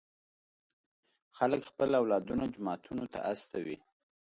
خلک خپل اولادونه جوماتونو ته استوي.